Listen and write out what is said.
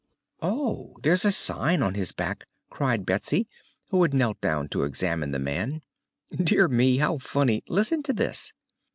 "Oh, here's a sign on his back!" cried Betsy, who had knelt down to examine the man. "Dear me; how funny! Listen to this."